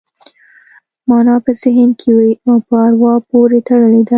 مانا په ذهن کې وي او په اروا پورې تړلې ده